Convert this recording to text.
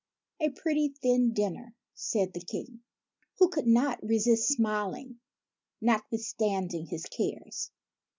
" A pretty thin dinner," said the King, who could not re sist smiling, notwithstanding his cares.